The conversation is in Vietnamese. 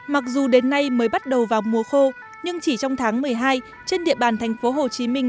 mặc dù đến nay mới bắt đầu vào mùa khô nhưng chỉ trong tháng một mươi hai trên địa bàn thành phố hồ chí minh